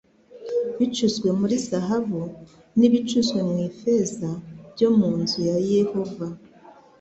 bicuzwe muri zahabu n ibicuzwe mu ifeza byo mu nzu ya yehova